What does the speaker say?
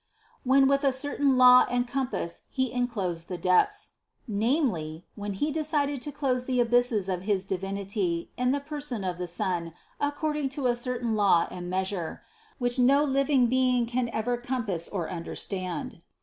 65. "When with a certain law and compass he en closed the depths," namely, when He decided to close the abysses of his Divinity in the person of the Son ac cording to a certain law and measure, which no living being can ever compass or understand.